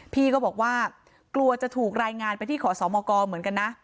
พี่ก็บอกว่ากลัวจะถูกรายงานไปที่ขอสมกเหมือนกันนะ